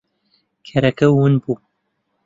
کەرەکە ون بوو.